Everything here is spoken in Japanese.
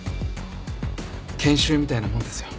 研修みたいなもんですよ。